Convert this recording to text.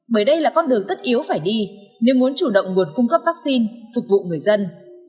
bởi đây là con đường tất yếu phải đi nếu muốn chủ động nguồn cung cấp vaccine phục vụ người dân